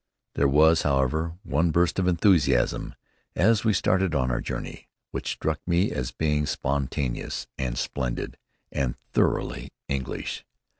There was, however, one burst of enthusiasm, as we started on our journey, which struck me as being spontaneous, and splendid, and thoroughly English.